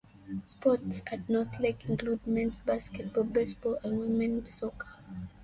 Sports at North Lake include men's basketball, baseball, and women's soccer.